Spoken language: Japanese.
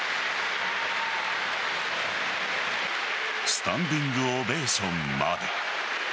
スタンディングオベーションまで。